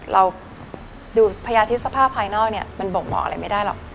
เราดูพยาธิสภาพภายนอกเนี่ยมันบ่งบอกอะไรไม่ได้หรอก